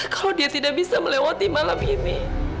kalau dia tidak bisa melewati malam ini